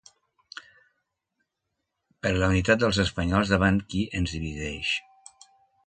Per la unitat dels espanyols davant qui ens divideix.